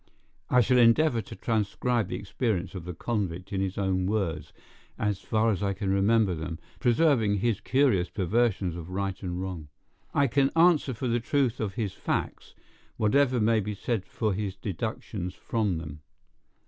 I shall endeavor to transcribe the experience of the convict in his own words, as far as I can remember them, preserving his curious perversions of right and wrong. I can answer for the truth of his facts, whatever may be said for his deductions from them.